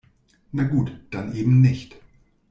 Na gut, dann eben nicht.